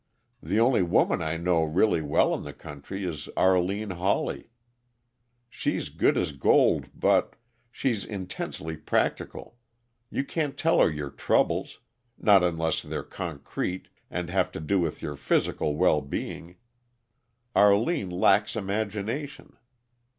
The only woman I know really well in the country is Arline Hawley. She's good as gold, but she's intensely practical; you can't tell her your troubles not unless they're concrete and have to do with your physical well being. Arline lacks imagination."